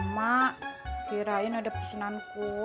mak kirain ada pesanan kue